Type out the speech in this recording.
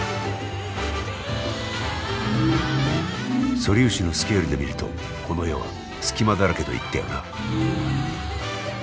素粒子のスケールで見るとこの世は隙間だらけと言ったよな。